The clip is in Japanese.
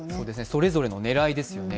それぞれの狙いですよね。